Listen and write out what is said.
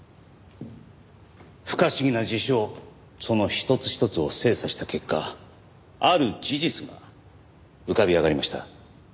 不可思議な事象その一つ一つを精査した結果ある事実が浮かび上がりました。